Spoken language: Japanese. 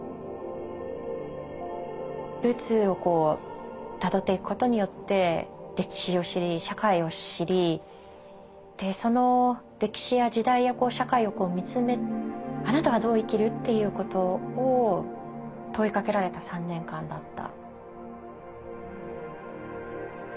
ルーツをたどっていくことによって歴史を知り社会を知りその歴史や時代や社会を見つめ「あなたはどう生きる？」っていうことを問いかけられた３年間だった。